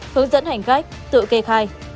hướng dẫn hành khách tự kê khai